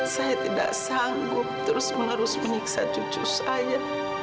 saya tidak sanggup terus menerus menyiksa cucu saya